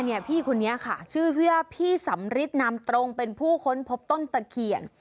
พี่คนนี้ค่ะชื่อว่าพี่สำริทนามตรงเป็นผู้ค้นพบต้นตะเขียน